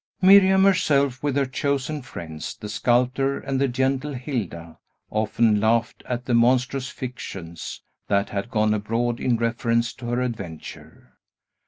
Miriam herself, with her chosen friends, the sculptor and the gentle Hilda, often laughed at the monstrous fictions that had gone abroad in reference to her adventure.